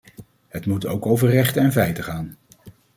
Het moet ook over rechten en feiten gaan.